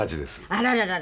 あららら。